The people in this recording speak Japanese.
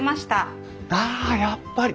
ああやっぱり。